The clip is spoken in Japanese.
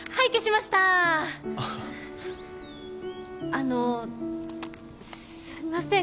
あのすいません